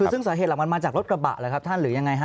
ซึ่งสาเหตุหลักมันมาจากรถกระบะหรือยังไงครับ